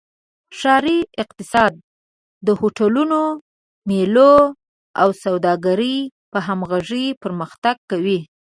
ښاري اقتصاد د هوټلونو، میلو او سوداګرۍ په همغږۍ پرمختګ کوي.